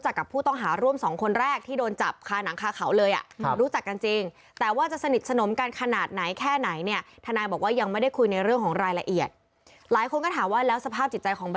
กับนายพลชัยเป็นยังไงบ้าง